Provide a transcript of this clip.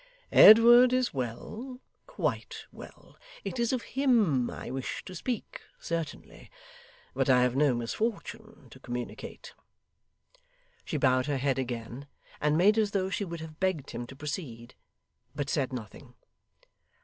'Edward is well quite well. It is of him I wish to speak, certainly; but I have no misfortune to communicate.' She bowed her head again, and made as though she would have begged him to proceed; but said nothing.